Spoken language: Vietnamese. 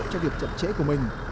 cho việc chậm trễ của mình